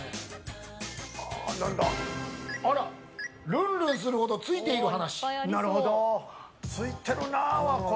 ルンルンするほどツイている話。